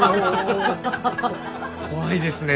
怖いですね。